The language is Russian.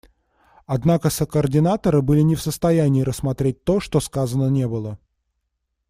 Однако сокоординаторы были не в состоянии рассмотреть то, что сказано не было.